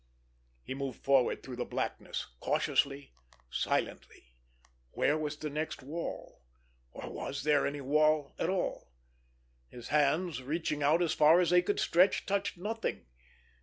He moved forward through the blackness, cautiously, silently. Where was the next wall? Or was there any wall at all? His hands, reaching out as far as they could stretch, touched nothing.